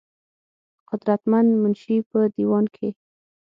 قدر مند منشي پۀ دېوان کښې